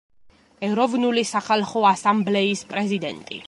ეროვნული სახალხო ასამბლეის პრეზიდენტი.